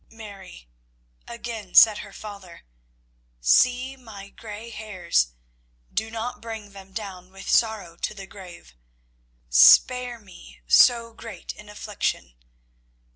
"Mary," again said her father, "see my grey hairs. Do not bring them down with sorrow to the grave. Spare me so great an affliction.